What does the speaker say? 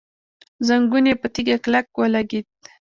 زنګون يې په تيږه کلک ولګېد.